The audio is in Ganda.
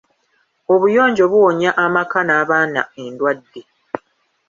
Obuyonjo buwonya amaka n’abaana endwadde.